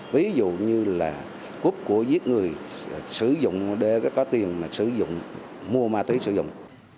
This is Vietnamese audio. ví dụ như là cúp của giết người sử dụng để có tiền sử dụng mua ma túy sử dụng